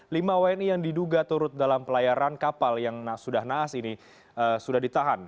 lima wni yang diduga turut dalam pelayaran kapal yang sudah naas ini sudah ditahan